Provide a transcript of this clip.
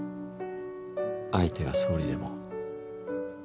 相手が総理でも。